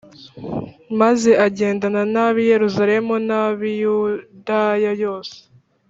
Maze agendana ab’i Yerusalemu n’ab’i Yudaya yose,